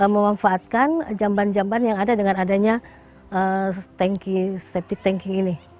memanfaatkan jamban jamban yang ada dengan adanya safety tanking ini